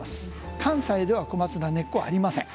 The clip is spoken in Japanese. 関西では小松菜根っこはありません。